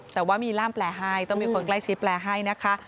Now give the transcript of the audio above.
แต่ว่ามีร่ามแปลให้ต้องมีคนใกล้ชิดแปลให้นะคะ